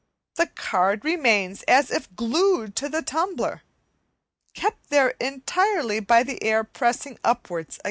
the card remains as if glued to the tumbler, kept there entirely by the air pressing upwards against it.